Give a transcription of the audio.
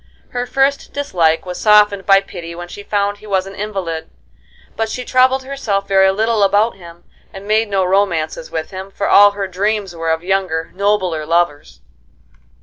Her first dislike was softened by pity when she found he was an invalid, but she troubled herself very little about him, and made no romances with him, for all her dreams were of younger, nobler lovers.